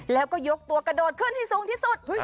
แล้วก็ยกตัวกระโดดขึ้นให้สูงที่สุด